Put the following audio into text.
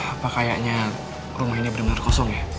apa kayaknya rumah ini bener bener kosong ya